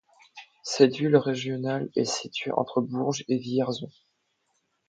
Cette ville régionale est située entre Bourges et Vierzon.